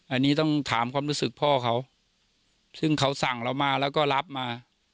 อันนี้ต้องถามความรู้สึกพ่อเขาซึ่งเขาสั่งเรามาแล้วก็รับมา